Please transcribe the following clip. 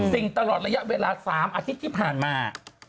ตลอดระยะเวลา๓อาทิตย์ที่ผ่านมา